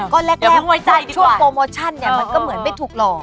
ก็แรกหัวใจช่วงโปรโมชั่นเนี่ยมันก็เหมือนไม่ถูกหลอก